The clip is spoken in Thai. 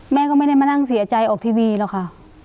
แม่ก็ไม่ได้มานั่งเสียใจออกทีวีหรอกค่ะ